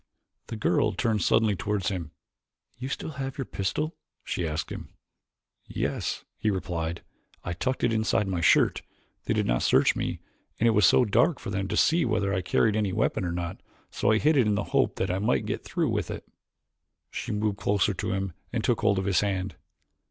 The girl turned suddenly toward him. "You still have your pistol?" she asked him. "Yes," he replied. "I tucked it inside my shirt. They did not search me and it was too dark for them to see whether I carried any weapons or not. So I hid it in the hope that I might get through with it." She moved closer to him and took hold of his hand.